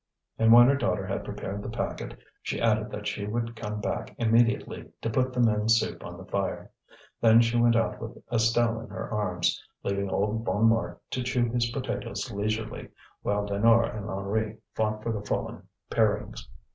And when her daughter had prepared the packet she added that she would come back immediately to put the men's soup on the fire. Then she went out with Estelle in her arms, leaving old Bonnemort to chew his potatoes leisurely, while Lénore and Henri fought for the fallen parings.